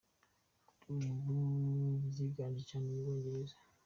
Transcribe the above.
Kuri ubu ryiganje cyane mu Bwongereza.